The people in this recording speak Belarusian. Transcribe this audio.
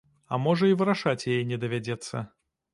А можа і вырашаць яе не давядзецца.